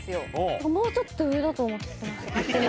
だからもうちょっと上だと思ってました勝手に。